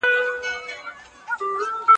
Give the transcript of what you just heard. هغه څېړونکی چي شک نه کوي حقیقت نه سي موندلی.